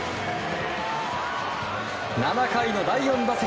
７回の第４打席。